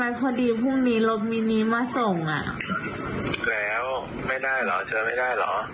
และพอดีพรุ่งมีรถมีนมาส่งแลวไม่ได้เหรอเชิญไม่ได้เหรอ